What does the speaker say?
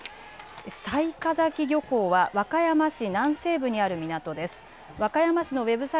雑賀崎漁港は和歌山市南西部にある港です。